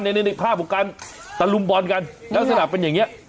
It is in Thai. ในในในภาพบุกันตะลุมบอลกันดังสนับเป็นอย่างเงี้ย